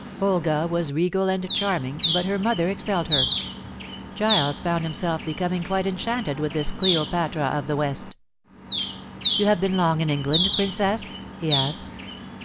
Olga was regal and charming, but her mother excelled her. Giles found himself becoming quite enchanted with this Cleopatra of the West. "You have been long in England, Princess?" he asked.